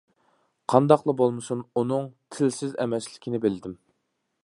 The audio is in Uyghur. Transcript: قانداقلا بولمىسۇن، ئۇنىڭ تىلسىز ئەمەسلىكىنى بىلدىم.